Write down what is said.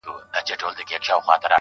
په خوب ويده، يو داسې بله هم سته~